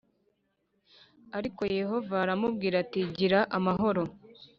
Ariko yehova aramubwira ati gira amahoro